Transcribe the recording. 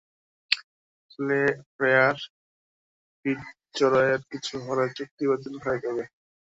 Claire ফিটজরয়ের কিছু হলে চুক্তি বাতিল হয়ে যাবে।